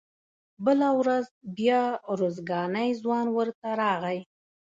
بله ورځ بیا ارزګانی ځوان ورته راغی.